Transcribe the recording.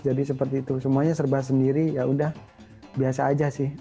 jadi seperti itu semuanya serba sendiri ya udah biasa aja sih